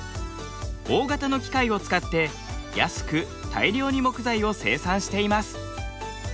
大型の機械を使って安く大量に木材を生産しています。